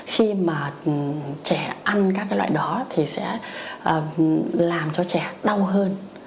khi mà trẻ ăn các cái loại đó thì sẽ làm cho trẻ đau hơn